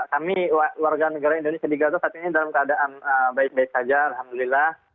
kami warga negara indonesia di gaza saat ini dalam keadaan baik baik saja alhamdulillah